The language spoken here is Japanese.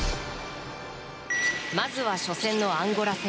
まずは、初戦のアンゴラ戦。